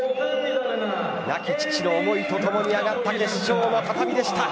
亡き父の思いとともに上がった決勝の畳でした。